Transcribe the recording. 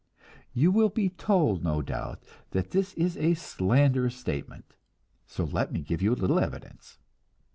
You will be told, no doubt, that this is a slanderous statement, so let me give you a little evidence.